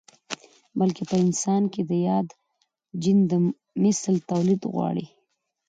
بلکې په انسان کې ياد جېن د مثل توليد غواړي.